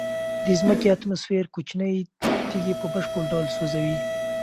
د ځمکې اتموسفیر کوچنۍ تیږې په بشپړ ډول سوځوي.